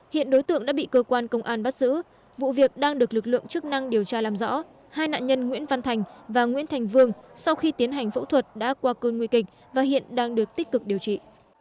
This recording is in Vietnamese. hiện đối tượng đã bị cơ quan công an bắt giữ vụ việc đang được lực lượng chức năng điều tra làm rõ hai nạn nhân nguyễn văn thành và nguyễn thành vương sau khi tiến hành phẫu thuật đã qua cơn nguy kịch và hiện đang được tích cực điều trị